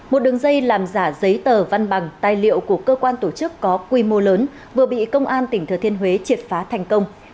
một đường dây làm giả giấy tờ văn bằng tài liệu của cơ quan tổ chức có quy mô lớn vừa bị công an tỉnh thừa thiên huế triệt phá thành công